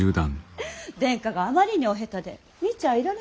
殿下があまりにお下手で見ちゃいられませんで。